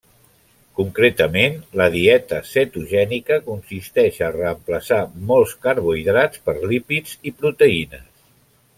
Concretament, la dieta cetogènica consisteix a reemplaçar molts carbohidrats per lípids i proteïnes.